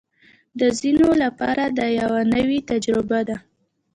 د ځینو لپاره دا یوه نوې تجربه ده